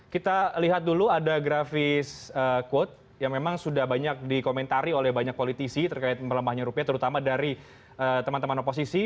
kita lihat dulu ada grafis quote yang memang sudah banyak dikomentari oleh banyak politisi terkait melemahnya rupiah terutama dari teman teman oposisi